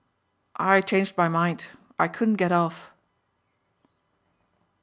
"I changed my mind. I couldn't get off."